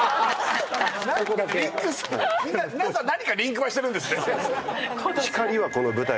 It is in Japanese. はい皆さん何かリンクはしてるんですね